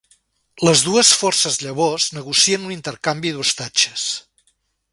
Les dues forces llavors negocien un intercanvi d'ostatges.